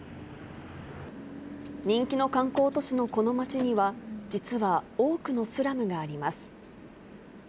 人気の観光都市のこの街には、実は多くのスラムがあります。